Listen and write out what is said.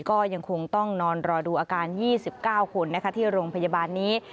ก็ยังคงต้องนอนรอดูอาการ๒๙คนที่โรงพยาบาลนี้